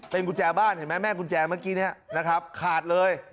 เป็นกุญแจบ้านเห็นไหมแม่กุญแจเมื่อกี้นี้นะครับขาดเลย